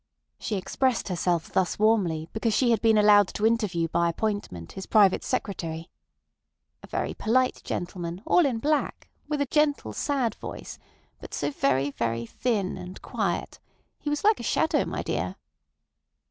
She expressed herself thus warmly because she had been allowed to interview by appointment his Private Secretary—"a very polite gentleman, all in black, with a gentle, sad voice, but so very, very thin and quiet. He was like a shadow, my dear."